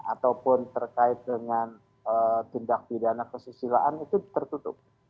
ataupun terkait dengan tindak pidana kesusilaan itu tertutup